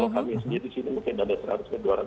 kami sendiri di sini mungkin ada seratus dua ratus orang